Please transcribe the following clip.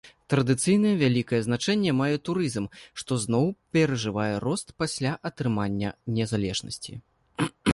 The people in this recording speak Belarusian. Традыцыйна вялікае значэнне мае турызм, што зноў перажывае рост пасля атрымання незалежнасці.